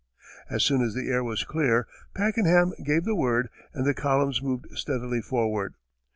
As soon as the air was clear, Pakenham gave the word, and the columns moved steadily forward.